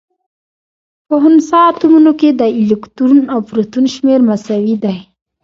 په خنثا اتومونو کي د الکترون او پروتون شمېر مساوي. دی